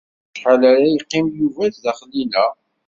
Acḥal ara yeqqim Yuba sdaxel-inna?